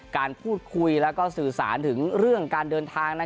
การพูดคุยและสื่อสารถึงเรื่องการเดินทาง